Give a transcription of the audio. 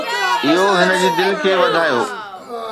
اهو هن جي دل کي وڌايو.